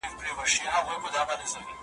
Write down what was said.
زما لحد پر کندهار کې را نصیب لیدل د یار کې ,